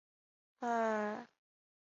同时也是三亚市主要饮用水水源地。